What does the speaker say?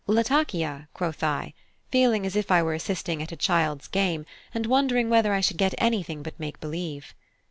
"Latakia," quoth I, feeling as if I were assisting at a child's game, and wondering whether I should get anything but make believe.